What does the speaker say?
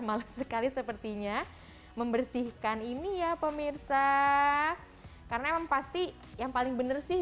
malas sekali sepertinya membersihkan ini ya pemirsa karena emang pasti yang paling bener sih